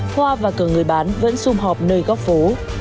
hoa và cờ người bán vẫn xung họp nơi góc phố